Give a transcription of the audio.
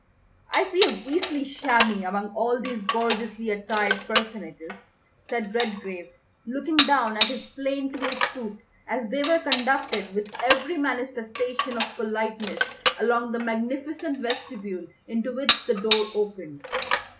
"I feel beastly shabby among all these gorgeously attired personages," said Redgrave, looking down at his plain tweed suit, as they were conducted with every manifestation of politeness along the magnificent vestibule into which the door opened.